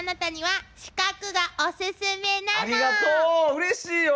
うれしいよ！